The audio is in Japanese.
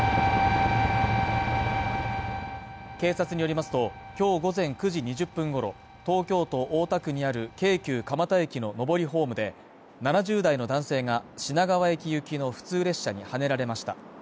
警察によりますと今日午前９時２０分ごろ、東京都大田区にある京急蒲田駅の上りホームで、７０代の男性が品川駅行きの普通列車にはねられました。